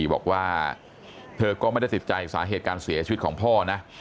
บอกว่าเธอก็ไม่ได้ติดใจสาเหตุการเสียชีวิตของพ่อนะ